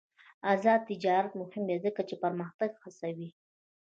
آزاد تجارت مهم دی ځکه چې پرمختګ هڅوي.